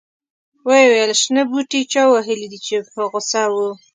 ویې ویل شنه بوټي چا وهلي دي په غوسه و.